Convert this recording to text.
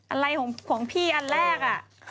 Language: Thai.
อะไรของพี่อันแรก